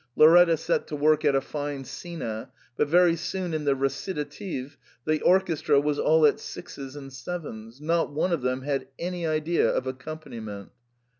Lauretta set to work at a fine scena ; but very soon in the recitative the orchestra was all at sixes and sevens, not one of them had any idea of accompaniment.